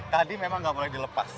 tadi memang nggak boleh dilepas